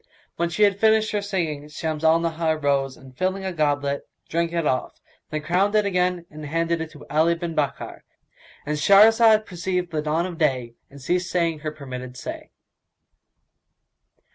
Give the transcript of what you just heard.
When she had finished her singing, Shams al Nahar rose and, filling a goblet, drank it off, then crowned it again and handed it to Ali bin Bakkar;—And Shahrazad perceived the dawn of day and ceased saying her permitted say.